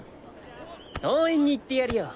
応援に行ってやるよ